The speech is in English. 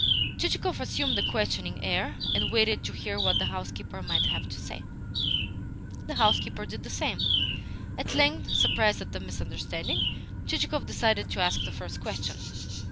Chichikov assumed a questioning air, and waited to hear what the housekeeper might have to say. The housekeeper did the same. At length, surprised at the misunderstanding, Chichikov decided to ask the first question.